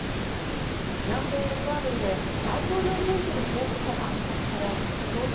南米エクアドルで大統領選挙の候補者が暗殺され投票